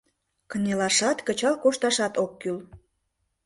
Кынелашат, кычал кошташат ок кӱл.